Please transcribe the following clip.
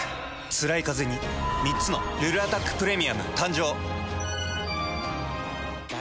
つらいカゼに３つの「ルルアタックプレミアム」誕生。